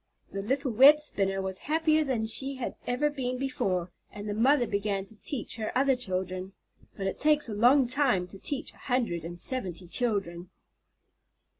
The little web spinner was happier than she had ever been before, and the mother began to teach her other children. But it takes a long time to teach a hundred and seventy children.